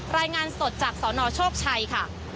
รายงานสดจากสนโชคชัยค่ะ